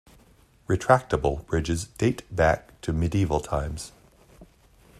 Retractable bridges date back to medieval times.